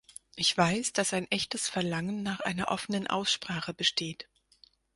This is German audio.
Ich weiß, dass ein echtes Verlangen nach einer offenen Aussprache besteht.